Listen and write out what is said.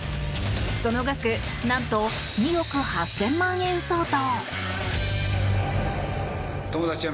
その額なんと２億８０００万円相当。